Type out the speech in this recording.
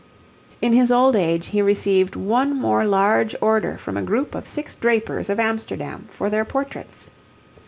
In his old age he received one more large order from a group of six drapers of Amsterdam for their portraits.